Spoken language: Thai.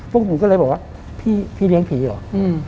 พวกผมก็เลยบอกว่าพี่เลี้ยงผีเหรอ